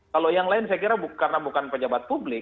kalau yang lain saya kira karena bukan pejabat publik